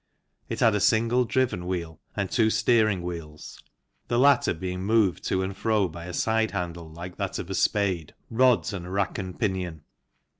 It had a single driven wheel and two steering wheels, the latter being moved to and fro by a side handle like that of a spade, rods and a rack and pinion.